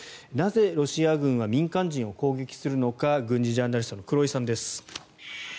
なぜ、ロシア軍は民間人を攻撃するのか軍事ジャーナリストの黒井さんです。